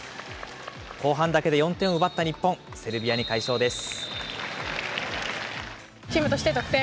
後半だけで４点を奪った日本、セルビアに快勝です。